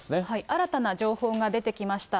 新たな情報が出てきました。